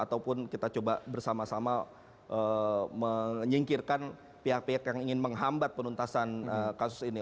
ataupun kita coba bersama sama menyingkirkan pihak pihak yang ingin menghambat penuntasan kasus ini